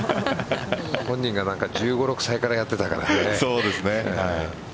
本人が１５１６歳からやってたから。